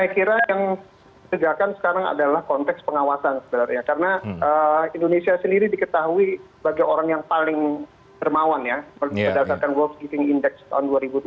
saya kira yang ditegakkan sekarang adalah konteks pengawasan sebenarnya karena indonesia sendiri diketahui sebagai orang yang paling dermawan ya berdasarkan world giving index tahun dua ribu tujuh belas